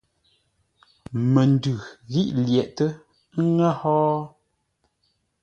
Məndʉ ghí lyəghʼtə́ ə́ ŋə́ hó?